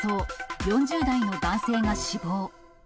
４０代の男性が死亡。